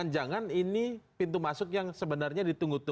jangan ini pintu masuk yang sebenarnya ditunggu tunggu